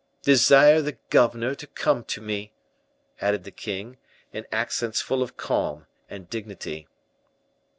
"Desire the governor to come to me," added the king, in accents full of calm and dignity.